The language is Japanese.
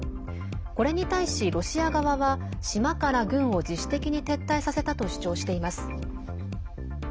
これに対し、ロシア側は島から軍を自主的に撤退させたと主張しています。